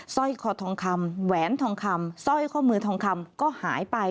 ร้อยคอทองคำแหวนทองคำสร้อยข้อมือทองคำก็หายไป